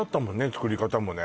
作り方もね